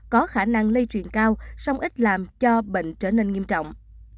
có khả năng lây truyền cao song ít làm cho bệnh trở nên nghiêm trọng